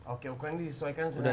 oke ukuran ini disesuaikan dengan ukuran